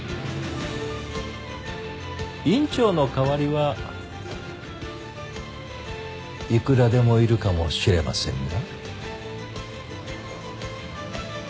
院長の代わりはいくらでもいるかもしれませんが。